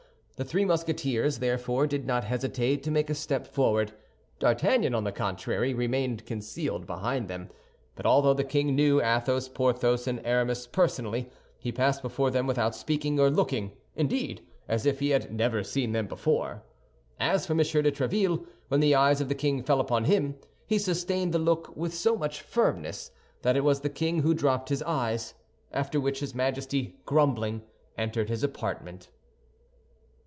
The three Musketeers therefore did not hesitate to make a step forward. D'Artagnan on the contrary remained concealed behind them; but although the king knew Athos, Porthos, and Aramis personally, he passed before them without speaking or looking—indeed, as if he had never seen them before. As for M. de Tréville, when the eyes of the king fell upon him, he sustained the look with so much firmness that it was the king who dropped his eyes; after which his Majesty, grumbling, entered his apartment.